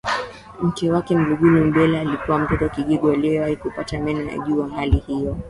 mke wake Mngulu Mbegha alikuwa mtoto kigego aliyewahi kupata meno ya juu hali iliyo